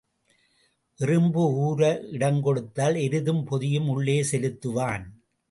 எறும்பு ஊர இடம் கொடுத்தால் எருதும் பொதியும் உள்ளே செலுத்துவான்.